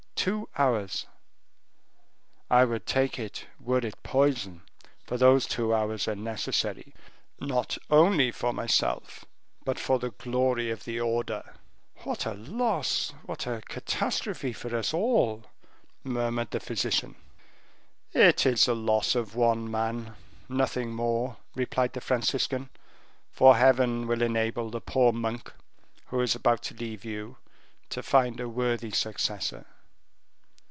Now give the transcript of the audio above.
"Two hours." "I would take it, were it poison, for those two hours are necessary not only for myself, but for the glory of the order." "What a loss, what a catastrophe for us all!" murmured the physician. "It is the loss of one man nothing more," replied the Franciscan, "for Heaven will enable the poor monk, who is about to leave you, to find a worthy successor.